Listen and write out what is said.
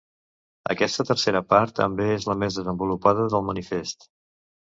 Aquesta tercera part també és la més desenvolupada del Manifest.